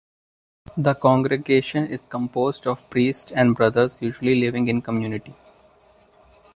The congregation is composed of priests and brothers usually living in community.